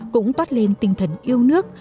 cũng tót lên tinh thần yêu nước